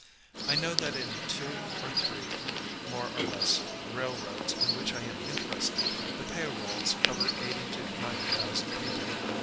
I know that in two or three, more or less, railroads in which I am interested, the pay rolls cover eighty to ninety thousand people.